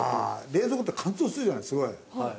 冷蔵庫って乾燥するじゃないすごい。